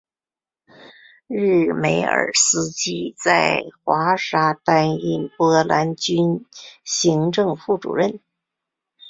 日梅尔斯基在华沙担任波兰军行政副主任。